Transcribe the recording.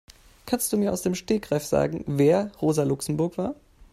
Kannst du mir aus dem Stegreif sagen, wer Rosa Luxemburg war?